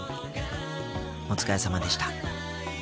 お疲れさまでした。